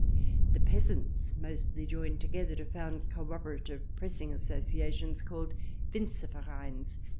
The peasants mostly join together to found co operative pressing associations called " Winzervereins."